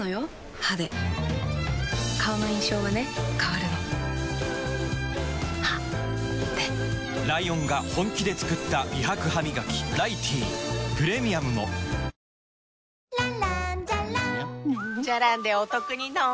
歯で顔の印象はね変わるの歯でライオンが本気で作った美白ハミガキ「ライティー」プレミアムも続いてはアクティブ中継です。